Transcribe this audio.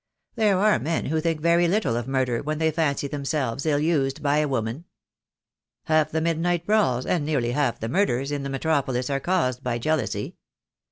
There are men who think very little of murder when they fancy themselves ill used by a woman. Half the midnight brawls, and nearly half the murders, in the metropolis are caused by jealousy.